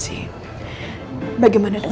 kalau melihat kondisinya sekarang